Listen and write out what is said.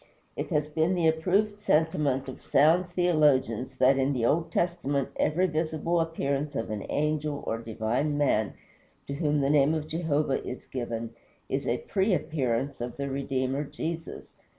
It has been the approved sentiment of sound theologians that in the Old Testament every visible appearance of an Angel or divine Man to whom the name of Jehovah is given is a pre appearance of the Redeemer, Jesus.